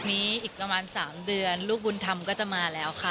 อีกประมาณ๓เดือนลูกบุญธรรมก็จะมาแล้วค่ะ